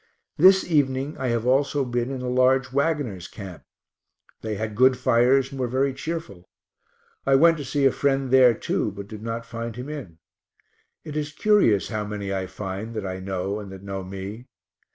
This evening I have also been in a large wagoners' camp. They had good fires and were very cheerful. I went to see a friend there, too, but did not find him in. It is curious how many I find that I know and that know me.